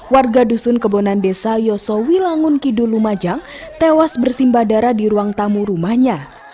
warga dusun kebonan desa yosowi langun kidul lumajang tewas bersimbah darah di ruang tamu rumahnya